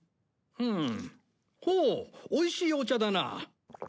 ほうおいしいお茶だな。